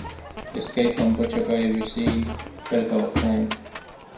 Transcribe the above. "Escape From Butcher Bay" received critical acclaim.